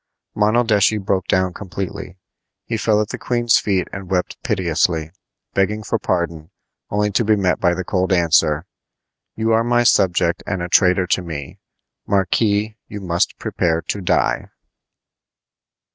Monaldeschi broke down completely. He fell at the queen's feet and wept piteously, begging for pardon, only to be met by the cold answer: "You are my subject and a traitor to me. Marquis, you must prepare to die!"